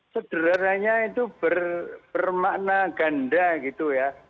sederhananya itu bermakna ganda gitu ya